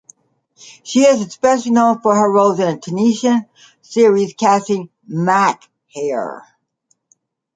She is especially known for her roles in the Tunisian series "Casting" and "Machair".